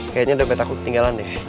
kayaknya udah takut ketinggalan deh